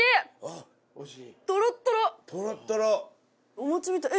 お餅みたいえっ